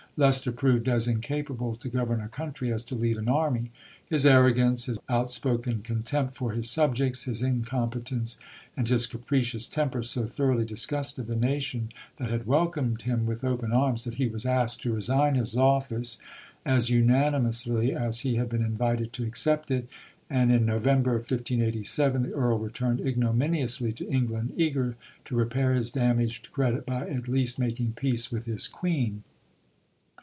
Leicester proved as incapable to govern a country, as to lead an army. His arrogance, his outspoken contempt for his subjects, his incompetence and his capricious temper, so thoroughly disgusted the nation that had welcomed him with open arms, that he was asked to resign his office as unanimously as he had been invited to accept it; and in November of 1587, the Earl returned ignominiously to England, eager to repair his damaged credit by at least making peace with his Queen.